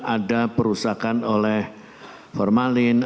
ada perusahaan oleh formalin